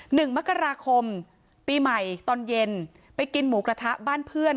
หนึ่งมกราคมปีใหม่ตอนเย็นไปกินหมูกระทะบ้านเพื่อน